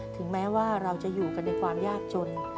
ถึงแม้ว่าเราจะอยู่กันในความยากจน